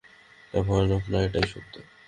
এটা ভয়ানক না এটাই সত্য।